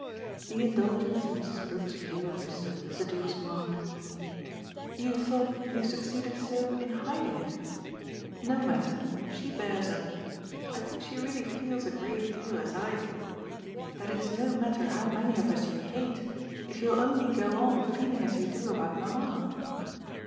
The indulgence in Mrs. Brook's view of his simplicity was marked. "You thought you succeeded so in hiding it? No matter she bears up. I think she really feels a great deal as I do that it's no matter how many of us you hate if you'll only go on feeling as you do about mamma.